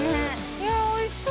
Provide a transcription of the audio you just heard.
いやおいしそう！